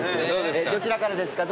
どちらからですか？